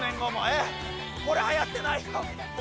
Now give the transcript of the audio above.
えっこれはやってないよ。